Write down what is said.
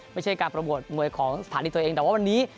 ไม่ใช่การประกวดมวยของสถานีตัวเองแต่ว่าวันนี้